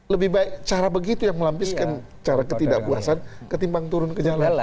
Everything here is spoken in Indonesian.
lebih baik cara begitu yang melampiskan cara ketidakpuasan ketimbang turun ke jalan